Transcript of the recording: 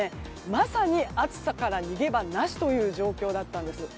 まさに暑さから逃げ場なしという状況だったんです。